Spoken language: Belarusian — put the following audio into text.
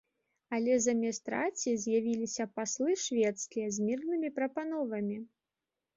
Але замест раці з'явіліся паслы шведскія з мірнымі прапановамі.